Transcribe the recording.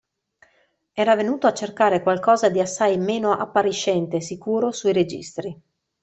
Era venuto a cercare qualcosa di assai meno appariscente e sicuro sui registri.